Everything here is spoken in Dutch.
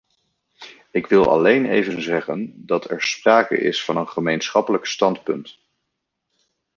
Ik wil alleen even zeggen dat er sprake is van een gemeenschappelijk standpunt.